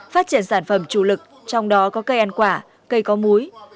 phát triển sản phẩm chủ lực trong đó có cây ăn quả cây có múi